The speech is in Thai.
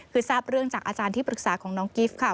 คือทราบเรื่องจากอาจารย์ที่ปรึกษาของน้องกิฟต์ค่ะ